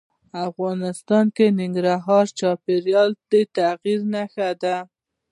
افغانستان کې ننګرهار د چاپېریال د تغیر نښه ده.